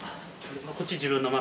こっち自分の枕。